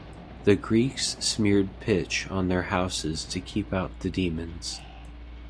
The Greeks smeared pitch on their houses to keep out the demons.